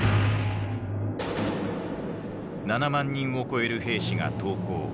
７万人を超える兵士が投降。